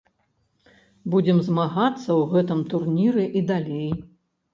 Будзем змагацца ў гэтым турніры і далей.